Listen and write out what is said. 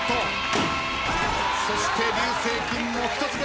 そして流星君も１つゲット。